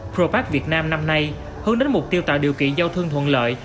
pro park việt nam năm nay hướng đến mục tiêu tạo điều kiện giao thương thuận lợi